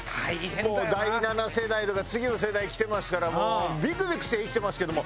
もう第７世代とか次の世代きてますからもうビクビクして生きてますけども。